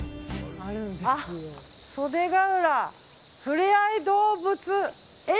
あ、袖ケ浦ふれあい動物縁！